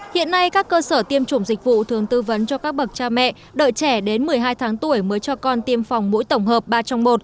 hiện nay các cơ sở tiêm chủng dịch vụ thường tư vấn cho các bậc cha mẹ đợi trẻ đến một mươi hai tháng tuổi mới cho con tiêm phòng mũi tổng hợp ba trong một